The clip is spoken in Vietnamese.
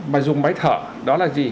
mà dùng máy thở